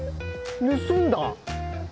盗んだ！？